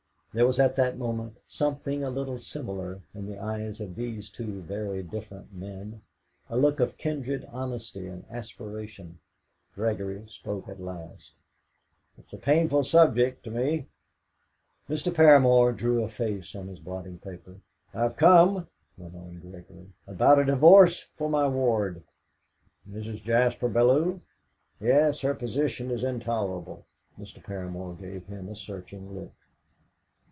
There was at that moment something a little similar in the eyes of these two very different men, a look of kindred honesty and aspiration. Gregory spoke at last. "It's a painful subject to me." Mr. Paramor drew a face on his blotting paper. "I have come," went on Gregory, "about a divorce for my ward." "Mrs. Jaspar Bellew?" "Yes; her position is intolerable." Mr. Paramor gave him a searching look.